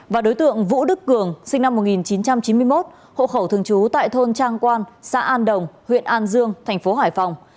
và đối tượng vũ đức cường sinh năm một nghìn chín trăm chín mươi một hộ khẩu thường trú tại thôn trang quan xã an đồng huyện an dương thành phố hải phòng